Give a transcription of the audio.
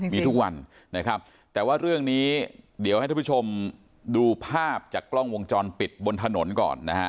มีทุกวันนะครับแต่ว่าเรื่องนี้เดี๋ยวให้ท่านผู้ชมดูภาพจากกล้องวงจรปิดบนถนนก่อนนะฮะ